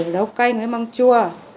nấu canh với măng chua